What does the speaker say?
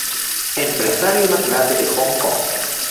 Empresario y magnate de Hong Kong.